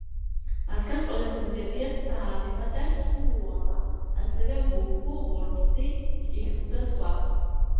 მათგან ყველაზე დიდებია საარემაა და ჰიიუმაა, ასევე მუჰუ, ვორმსი, კიჰნუ და სხვა.